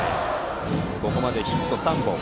ここまでヒット３本。